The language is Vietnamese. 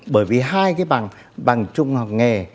bởi vì hai cái bằng trung học nghề